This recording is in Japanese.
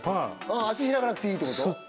足開かなくていいってこと？